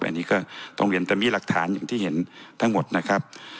อันนี้ก็ต้องเรียนแต่มีหลักฐานอย่างที่เห็นทั้งหมดนะครับ